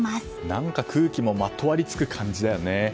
何か、空気もまとわりつく感じだよね。